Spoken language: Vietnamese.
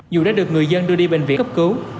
dù đã được người dân đưa đi bệnh viện cấp cứu